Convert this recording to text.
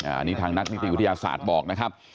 อันนี้ทางนักนิติวิทยาศาสตร์บอกนะครับ